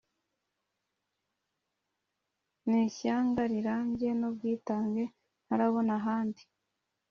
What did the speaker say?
Ni ishyanga rirambye n’ubwitwnge ntarabona ahandi